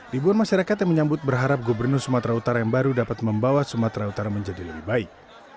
ribuan masyarakat yang menyambut berharap gubernur sumatera utara yang baru dapat membawa sumatera utara menjadi lebih baik